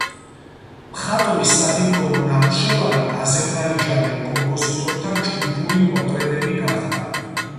მხატვრის სადიპლომო ნამუშევარი აზერბაიჯანელ კომპოზიტორთა ჯგუფური პორტრეტი გახდა.